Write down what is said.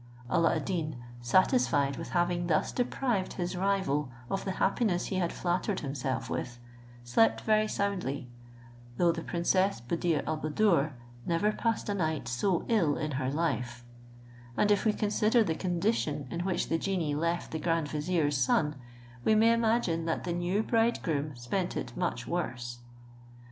Alla ad Deen, satisfied with having thus deprived his rival of the happiness he had flattered himself with, slept very soundly, though the princess Buddir al Buddoor never passed a night so ill in her life; and if we consider the condition in which the genie left the grand vizier's son, we may imagine that the new bridegroom spent it much worse.